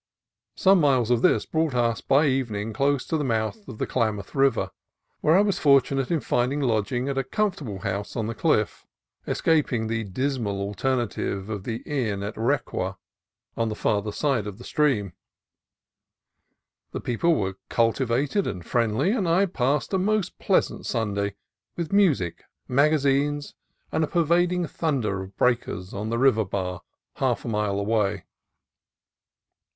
Some miles of this brought us by evening close to the mouth of the Klamath River, where I was fortu nate in finding lodging at a comfortable house on the cliff, escaping the dismal alternative of the inn at Requa, on the farther side of the stream. The peo ple were cultivated and friendly, and I passed a most pleasant Sunday, with music, magazines, and a pervading thunder of breakers on the river bar half a mile away.